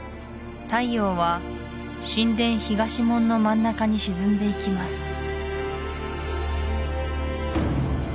太陽は神殿東門の真ん中に沈んでいきます